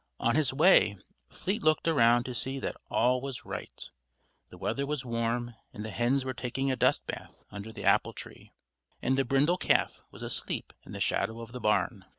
On his way, Fleet looked around to see that all was right. The weather was warm and the hens were taking a dust bath under the apple tree, and the brindle calf was asleep in the shadow of the barn.